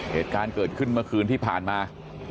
เหตุการณ์เกิดขึ้นเมื่อคืนที่ผ่านมา